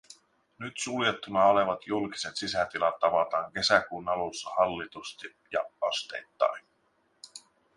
Nyt suljettuna olevat julkiset sisätilat avataan kesäkuun alusta hallitusti ja asteittain.